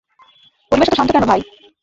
পরিবেশ এতো শান্ত কেনো ভাই?